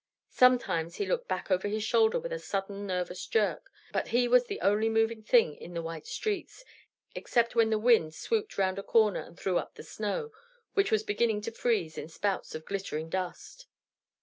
Sometimes he looked back over his shoulder with a sudden nervous jerk; but he was the only moving thing in the white streets, except when the wind swooped round a corner and threw up the snow, which was beginning to freeze, in spouts of glittering dust.